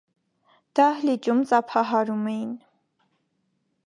Դահլիճում ծափահարում էին.